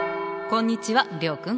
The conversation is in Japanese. こんにちは諒君。